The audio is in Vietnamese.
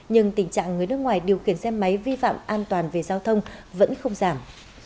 nhưng tình trạng người nước ngoài điều khiển xe máy vi phạm an toàn về giao thông vẫn không giảm